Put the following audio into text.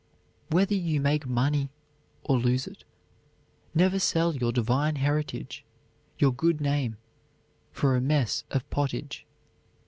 Whether you make money or lose it, never sell your divine heritage, your good name, for a mess of pottage.